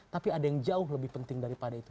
tapi ada yang jauh lebih penting daripada itu